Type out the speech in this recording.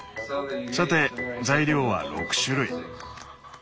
さて材料は６種類。